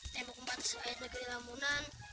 tembok empat ratus ayat negeri lamunan